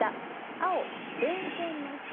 青、電線の下。